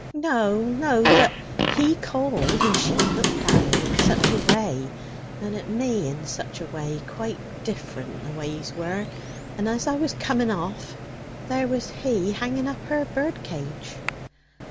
"No, no. But he called, and she looked at him in such a way, and at me in such a way quite different the ways were, and as I was coming off, there was he hanging up her birdcage."